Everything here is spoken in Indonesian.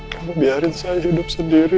kamu biarkan saya hidup sendiri